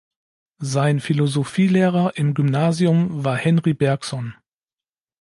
Sein Philosophielehrer im Gymnasium war Henri Bergson.